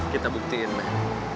kita buktiin man